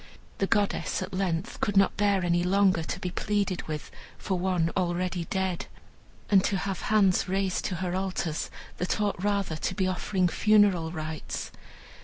The goddess, at length, could not bear any longer to be pleaded with for one already dead, and to have hands raised to her altars that ought rather to be offering funeral rites.